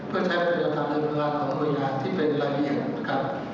เพื่อใช้สมัยธรรมการของโบยนาที่เป็นระดิ่ง